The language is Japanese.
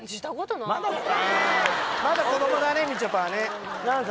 まだ子どもだねみちょぱはね何歳？